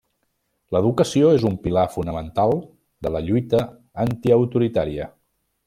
L'educació és un pilar fonamental de la lluita antiautoritària.